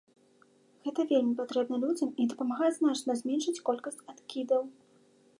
Гэта вельмі патрэбна людзям і дапамагае значна зменшыць колькасць адкідаў.